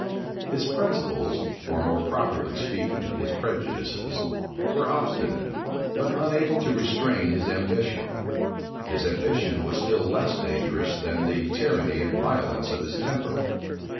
His principles, or, more properly speaking, his prejudices, were obstinate, but unable to restrain his ambition: his ambition was still less dangerous than the tyranny and violence of his temper.